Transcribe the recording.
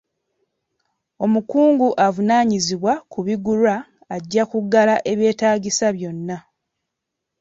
Omukungu avunaanyizibwa ku bigulwa ajja kugala ebyetaagisa byonna.